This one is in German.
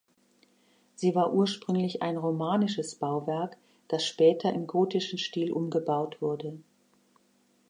Sie war ursprünglich ein romanisches Bauwerk, das später im gotischen Stil umgebaut wurde.